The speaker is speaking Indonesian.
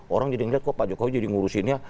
orang jadi ngelihat kok pak jokowi ngurusinnya